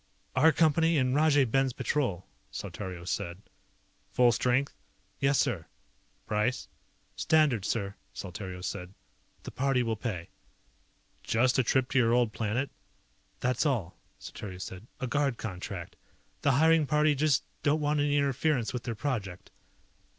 "Our Company and Rajay Ben's Patrol," Saltario said. "Full strength?" "Yes, sir." "Price?" "Standard, sir," Saltario said. "The party will pay." "Just a trip to your old planet?" "That's all," Saltario said. "A guard contract. The hiring party just don't want any interference with their project."